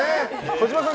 児嶋さん